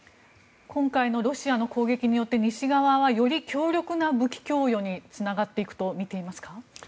今回のロシアの攻撃によって西側はより強力な武器供与につながっていくとみていますか？